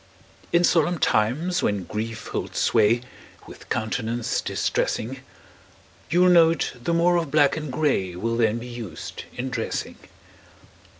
In solemn times, when grief holds sway With countenance distressing, You'll note the more of black and gray Will then be used in dressing.